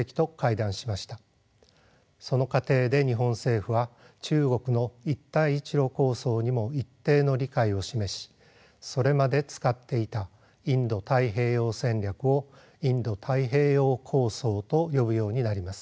その過程で日本政府は中国の「一帯一路」構想にも一定の理解を示しそれまで使っていたインド太平洋戦略をインド太平洋構想と呼ぶようになります。